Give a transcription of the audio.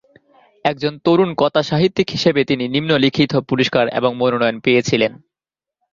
একজন তরুণ কথাসাহিত্যিক হিসাবে তিনি নিম্নলিখিত পুরস্কার এবং মনোনয়ন পেয়েছিলেন।